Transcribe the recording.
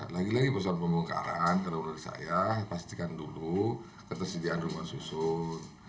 lagi lagi persoalan pembongkaran kalau menurut saya pastikan dulu ketersediaan rumah susun